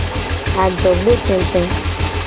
Adogbo tete.